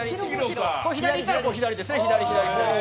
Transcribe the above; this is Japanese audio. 左にやったら左ですね。